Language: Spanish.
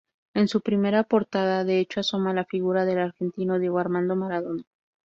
En su primera portada, de hecho, asoma la figura del argentino Diego Armando Maradona.